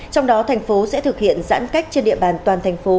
trong đó thành phố sẽ thực hiện giãn cách trên địa bàn toàn thành phố